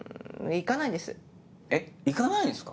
行かないんですか？